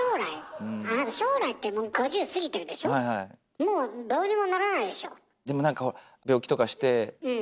もうどうにもならないでしょ。